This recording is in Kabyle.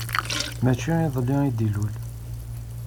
Maci iḍelli ay d-ilul.